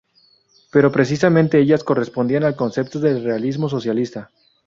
Pero precisamente ellas correspondían al concepto de realismo socialista.